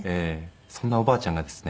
そんなおばあちゃんがですね